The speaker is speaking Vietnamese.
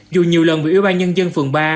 dù nhiều lần bị ủy ban nhân dân phường ba